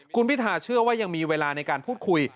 คุณพิธาเชื่อว่ายังมีเวลาในการพูดคุย